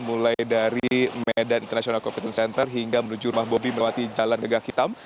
mulai dari medan international coffin center hingga menuju rumah bobi melalui jalan gegah hitam